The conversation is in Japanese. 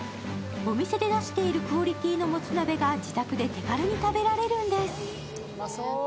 お店で出しているクオリティーのもつ鍋が自宅で手軽に食べられるんです。